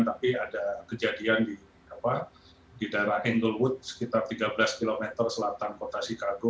tapi ada kejadian di daerah hinglewood sekitar tiga belas km selatan kota chicago